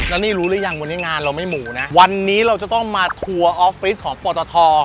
แล้วนี่รู้หรือยังวันนี้งานเราไม่หมู่นะวันนี้เราจะต้องมาทัวร์ออฟฟิศของปตท